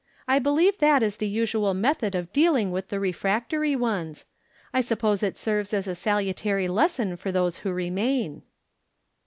I believe that is the usual method of dealing with the refractory ones. I suppose it serves as a salutary lesson for those who remain."